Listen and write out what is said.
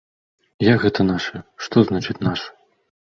Як гэта нашы, што значыць нашы?